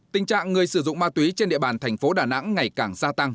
tình trạng người sử dụng ma túy trên địa bàn thành phố đà nẵng ngày càng gia tăng